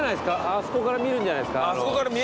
あそこから見るんじゃないですか？